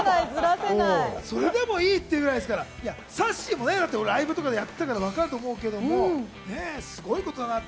それでもいいって言うくらいですから、さっしーもライブとかやってるからわかると思うけど、すごいことだなって。